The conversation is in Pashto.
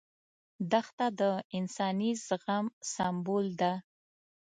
دښته د انساني زغم سمبول ده.